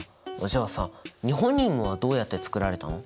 じゃあさニホニウムはどうやって作られたの？